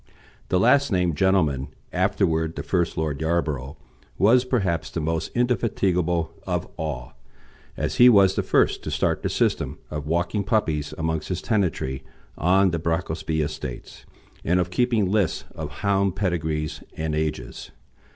The last named gentleman, afterward the first Lord Yarborough, was perhaps the most indefatigable of all, as he was the first to start the system of walking puppies amongst his tenantry, on the Brocklesby estates, and of keeping lists of hound pedigrees and ages.